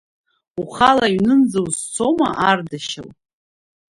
Ухала аҩнынӡа узцома, Ардашьыл?